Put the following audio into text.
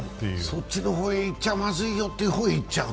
そっちの方にいっちゃまずいよというところにいっちゃう？